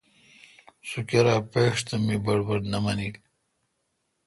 سو کرا پیݭ تہ می بڑبڑ نہ منیل۔